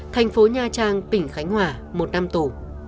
thành phố nha trang tỉnh khánh hòa một năm tù